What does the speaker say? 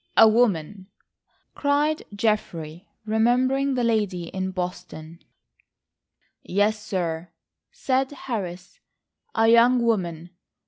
"A woman?" cried Geoffrey, remembering the lady in Boston. "Yes, sir," said Harris, "a young woman.